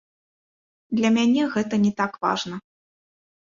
Для мяне гэта не так важна.